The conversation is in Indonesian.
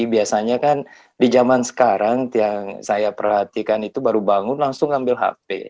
biasanya kan di zaman sekarang yang saya perhatikan itu baru bangun langsung ambil hp